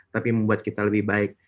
tapi membuat kita lebih baik